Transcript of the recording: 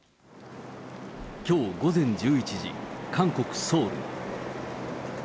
きょう午前１１時、韓国・ソウル。